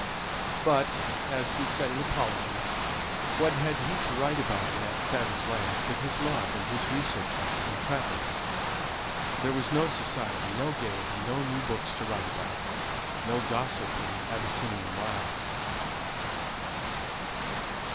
But, as he said in apology, what had he to write about in that savage land, but his love, and his researches, and travels? There was no society, no gaiety, no new books to write about, no gossip in Abyssinian wilds.